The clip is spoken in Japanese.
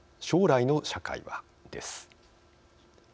将来の社会は？です。